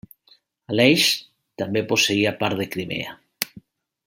Aleix també posseïa part de Crimea.